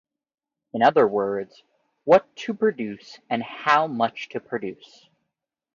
In other words, what to produce and how much to produce.